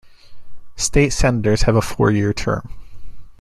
State Senators have a four-year term.